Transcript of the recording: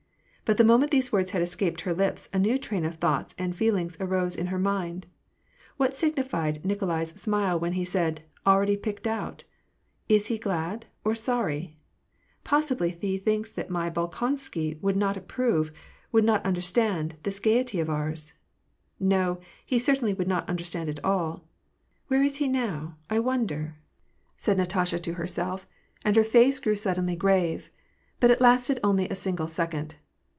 But the moment these words had escaped her lips, a new train of thoughts and feeling arose in her mind: what signified Nikolai's smile when he said, " Already picked out "?" Is he glad, or sorry ? Pos sibly he thinks that my Bolkonsky would not approve, would not understand, this gayety of ours. No, he certainly would not understand it all. Where is he now, I wonder ?" said WAn AND PEACE. 277 Natasha to herself, and her face grew suddenly grave. But it lasted only a single second.